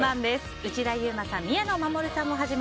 内田雄馬さん宮野真守さんはじめ